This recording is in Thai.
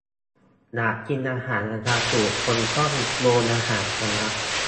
อยากกินอาหารราคาถูกคงต้องโรงอาหารคณะ